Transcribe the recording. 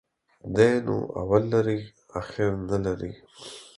دى نو اول لري ، اخير نلري.